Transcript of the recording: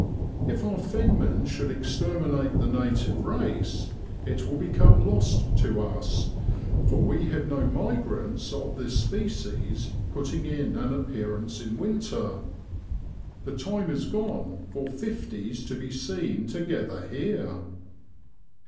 If our fenmen should exterminate the native race, it will become lost to us, for we have no migrants of this species putting in an appearance in winter. The time is gone for fifties to be seen together here.